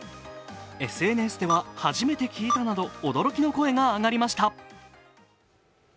ＳＮＳでは初めて聞いたなど驚きの声が上がりました。